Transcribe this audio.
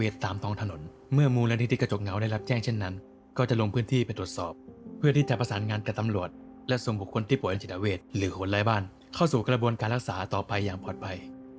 สถานการณ์ต่อไปอย่างปลอดภัย